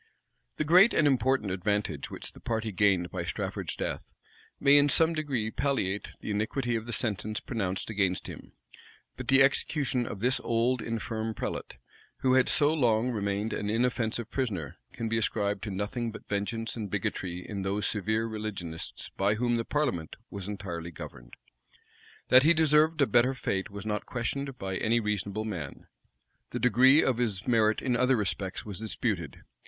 The great and important advantage which the party gained by Strafford's death, may in some degree palliate the iniquity of the sentence pronounced against him: but the execution of this old, infirm prelate, who had so long remained an inoffensive prisoner, can be ascribed to nothing but vengeance and bigotry in those severe religionists by whom the parliament was entirely governed. That he deserved a better fate was not questioned by any reasonable man: the degree of his merit in other respects was disputed.